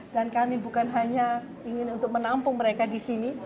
dan kami bukan hanya ingin untuk menampung mereka di sini